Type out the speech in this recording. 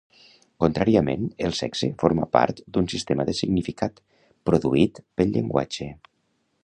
Contràriament, el sexe forma part d"un sistema de significat, produït pel llenguatge.